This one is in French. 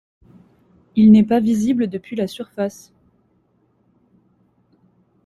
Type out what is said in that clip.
Il n'est pas visible depuis la surface.